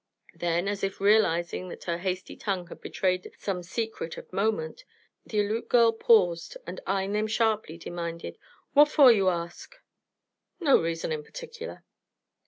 Then, as if realizing that her hasty tongue had betrayed some secret of moment, the Aleut girl paused, and, eying them sharply, demanded, "What for you ask?" "No reason in particular."